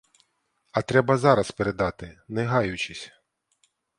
А треба зараз передати, не гаючись.